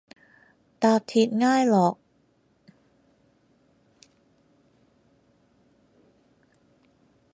搭鐵挨咗落座位側邊塊玻璃度